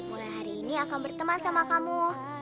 mulai hari ini akan berteman sama kamu